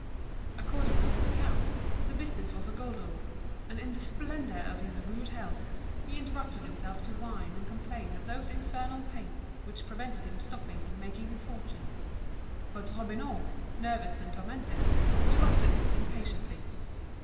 According to his account, the business was a golden one; and in the splendour of his rude health he interrupted himself to whine and complain of those infernal pains which prevented him stopping and making his fortune. But Robineau, nervous and tormented, interrupted him impatiently.